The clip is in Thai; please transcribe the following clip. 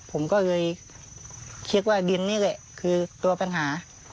ผมก็เลยคิดว่าดินนี่แหละคือตัวปัญหา